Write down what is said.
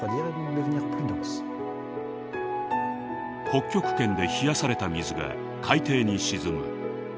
北極圏で冷やされた水が海底に沈む。